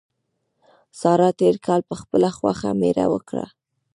سارا تېر کال په خپله خوښه مېړه وکړ.